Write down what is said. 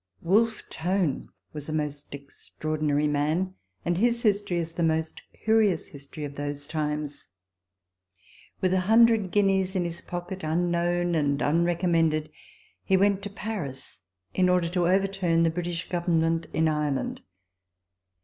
Wolfe Tone was a most extraordinary man, and his history is the most curious history of those times. f With a hundred guineas in his pocket, unknown and unrecommended, he went to Paris in order to overturn the British Government in Ireland.